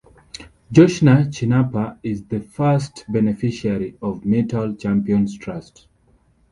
Joshna Chinappa is the first beneficiary of Mittal Champions Trust.